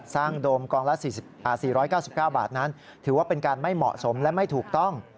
โดมกองละ๔๙๙บาทนั้นถือว่าเป็นการไม่เหมาะสมและไม่ถูกต้อง